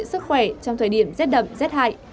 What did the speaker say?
sức khỏe trong thời điểm rét đậm rét hại